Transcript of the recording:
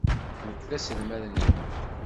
Nekk d aselmad-nwent.